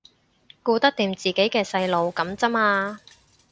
顧得掂自己嘅細路噉咋嘛